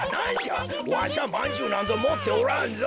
わしはまんじゅうなんぞもっておらんぞ。